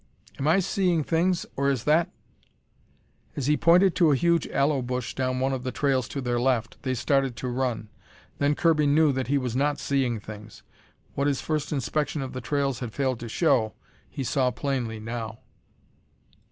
"Am I seeing things, or is that "As he pointed to a huge aloe bush down one of the trails to their left, they started to run. Then Kirby knew that he was not seeing things. What his first inspection of the trails had failed to show, he saw plainly now.